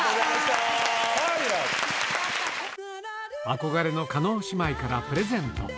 憧れの叶姉妹からプレゼント